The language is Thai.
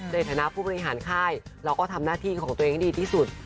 ในฐานะผู้บริหารค่ายเราก็ทำหน้าที่ของตัวเองให้ดีที่สุด